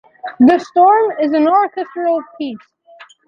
"The Storm" is an orchestral piece.